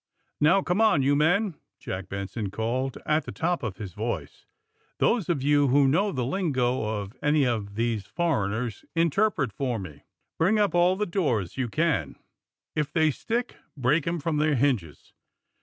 Now, come on, you men!" Jack Benson called, at the top of his voice. ^^ Those of you who know the lingo of any of these foreigners interpret for me. Bring up all the doors you can ! If they stick, break 'em from their hinges